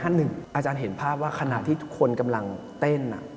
อาจารย์เห็นภาพว่าขณะที่ทุกคนกำลังเต้น